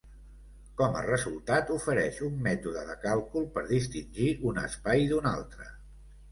Com a resultat, ofereix un mètode de càlcul per distingir un espai d'un altre.